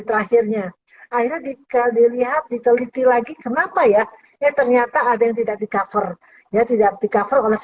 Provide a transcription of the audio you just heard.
nah ini yang lebih lengkap